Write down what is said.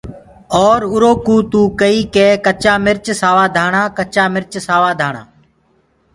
اور اُرو ڪوُ تو ڪئيٚ ڪي چآ مِرچ سوآ ڌآڻآ ڪچآ مرچ سوآ ڌآڻآ۔